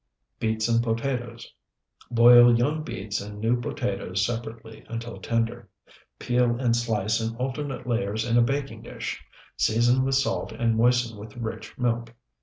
BEETS AND POTATOES Boil young beets and new potatoes separately until tender; peel and slice in alternate layers in a baking dish; season with salt and moisten with rich milk.